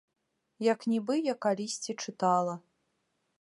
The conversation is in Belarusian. Як нібы я калісьці чытала.